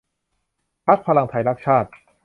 พรรคพลังไทยรักชาติ